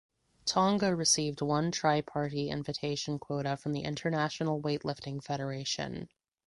Tonga received one tripartite invitation quota from the International Weightlifting Federation.